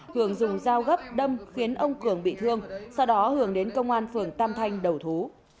hường dùng dao gấp đâm khiến ông cường bị thương sau đó hường đến công an phường tam thanh đầu thú